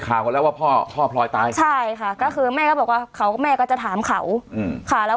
ข่าวกันแล้วว่าพ่อพ่อพลอยตายใช่ค่ะก็คือแม่ก็บอกว่าเขาก็แม่ก็จะถามเขาอืมค่ะแล้ว